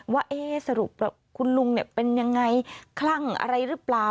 ว่าสรุปคุณลุงเป็นยังไงคลั่งอะไรหรือเปล่า